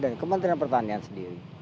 dan kementerian pertanian sendiri